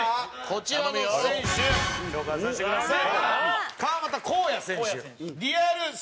こちらの選手紹介させてください。